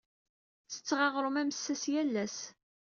Ttetteɣ aɣrum amessas yal ass.